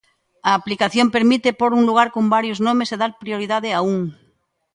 A aplicación permite pór un lugar con varios nomes e dar prioridade a un.